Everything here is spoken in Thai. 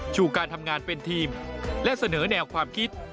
ชูการทำงานเป็นทีมและเสนอแนวความคิด